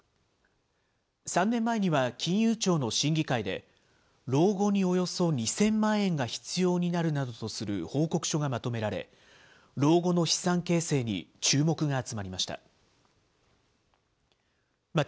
３年前には、金融庁の審議会で、老後におよそ２０００万円が必要になるなどとする報告書がまとめられ、老後の資産形成に注目が集まりました。